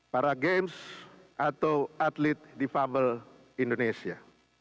para games atau atlet difabel indonesia